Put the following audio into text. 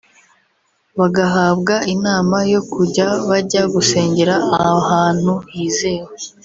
Bagahabwa inama yo kujya bajya gusengera ahantu hizewe